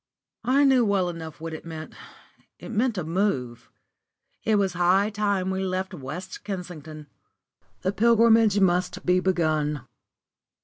I knew well enough what it meant. It meant a move. It was high time we left West Kensington: the pilgrimage must be begun.